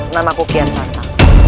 namaku kian santa